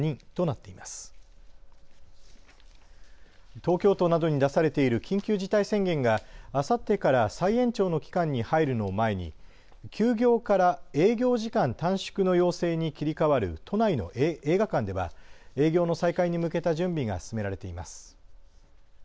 東京都などに出されている緊急事態宣言があさってから再延長の期間に入るのを前に休業から営業時間短縮の要請に切り替わる都内の映画館では営業の再開に向けた準備が進められています。